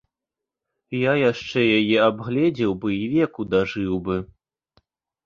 Я яшчэ яе абгледзеў бы і веку дажыў бы.